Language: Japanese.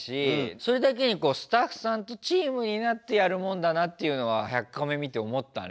それだけにスタッフさんとチームになってやるもんだなっていうのは「１００カメ」見て思ったね。